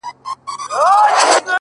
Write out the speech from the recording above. د گران صفت كومه ـ